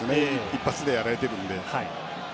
一発でやられているので。